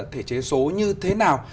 thể chế số như thế nào